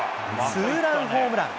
ツーランホームラン。